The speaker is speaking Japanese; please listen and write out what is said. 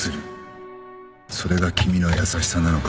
それが君の優しさなのか？